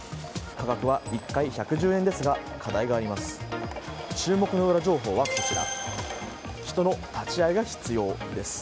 価格は１回１１０円ですが課題があります。